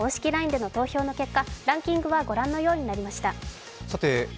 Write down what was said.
ＬＩＮＥでの投票の結果、ランキングはご覧のようになりました。